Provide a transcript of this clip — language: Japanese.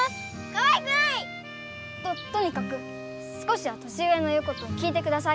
かわいくない！ととにかく少しは年上の言うことを聞いてください！